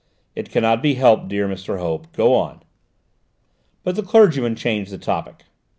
"It cannot be helped, dear Mr. Hope. Go on." But the clergyman changed the topic.